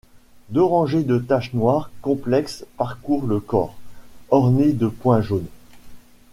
Deux rangées de taches noires complexes parcourent le corps, ornées de points jaunes.